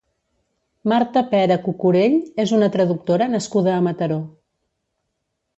Marta Pera Cucurell és una traductora nascuda a Mataró.